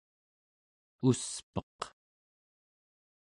uspeq